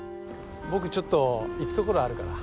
僕ちょっと行くところあるから。